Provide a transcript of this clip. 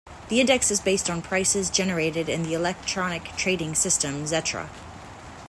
The index is based on prices generated in the electronic trading system Xetra.